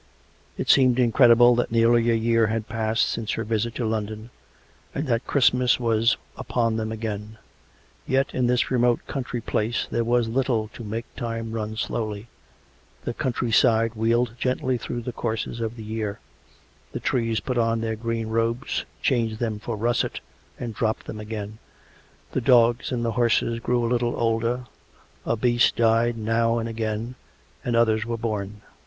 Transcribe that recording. It seemed incredible that nearly a year had passed since her visit to London, and that Christmas was upon them again. Yet in this remote country place there was little to make time run slowly: the country side wheeled gently through the courses of the year ; the trees put on their green robes, changed them for russet and dropped them again; the dogs and the horses grew a little older, a beast died now and again, and others were born.